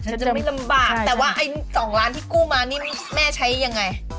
จะไม่ลำบากแต่ว่าไอ้๒ล้านที่กู้มานี่แม่ใช้ยังไง